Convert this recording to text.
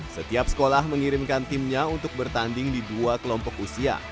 setiap sekolah mengirimkan timnya untuk bertanding di dua kelompok usia